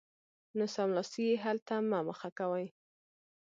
نو سملاسي یې حل ته مه مخه کوئ